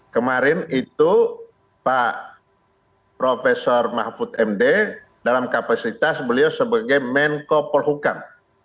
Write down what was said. kemarin itu pak profesor mahfud md dalam kapasitas beliau sebagai menko polhukam